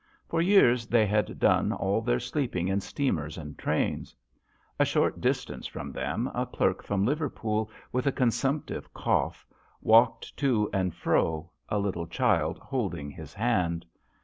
For years they had done all their sleeping in steamers and trains. A short distance from them a clerk from Liverpool, with a con sumptive cough, walked to and fro, a little child holding his hand.